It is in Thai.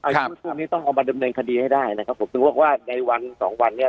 ช่วงนี้ต้องเอามาดำเนินคดีให้ได้นะครับผมถึงบอกว่าในวันสองวันเนี่ย